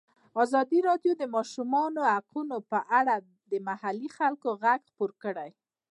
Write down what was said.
ازادي راډیو د د ماشومانو حقونه په اړه د محلي خلکو غږ خپور کړی.